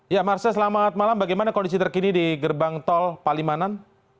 ya marce selamat malam bagaimana kondisi terkini di gerbang tol palimanan